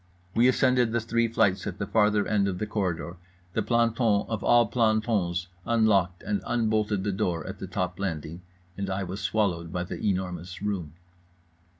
We ascended the three flights at the farther end of the corridor, the planton of all plantons unlocked and unbolted the door at the top landing, and I was swallowed by The Enormous Room.